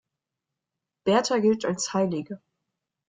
Bertha gilt als Heilige.